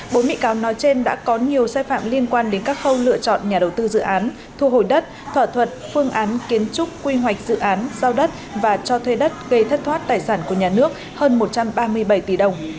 bốn bị cáo nói trên đã có nhiều sai phạm liên quan đến các khâu lựa chọn nhà đầu tư dự án thu hồi đất thỏa thuật phương án kiến trúc quy hoạch dự án giao đất và cho thuê đất gây thất thoát tài sản của nhà nước hơn một trăm ba mươi bảy tỷ đồng